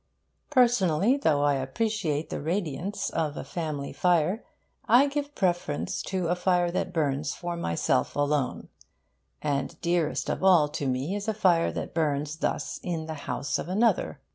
Personally, though I appreciate the radiance of a family fire, I give preference to a fire that burns for myself alone. And dearest of all to me is a fire that burns thus in the house of another.